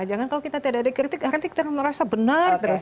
jangan kalau kita tidak ada kritik berarti kita merasa benar